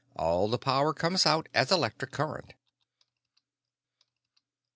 All the power comes out as electric current."